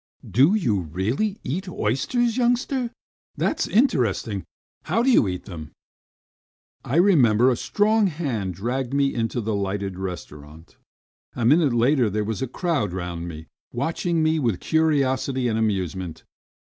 "Do you really eat oysters, youngster? That's interesting! How do you eat them?" I remember that a strong hand dragged me into the lighted restaurant. A minute later there was a crowd round me, watching me with curiosity and amusement.